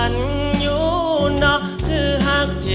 น้องเตอร์